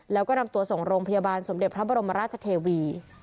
แล้วก็นำตัวส่งโรงพยาบาลสมเด็จพระบรมราชเทวี